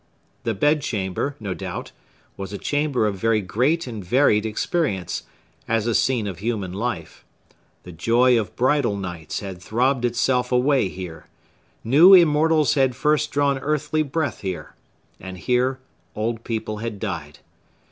The bedchamber, no doubt, was a chamber of very great and varied experience, as a scene of human life: the joy of bridal nights had throbbed itself away here; new immortals had first drawn earthly breath here; and here old people had died.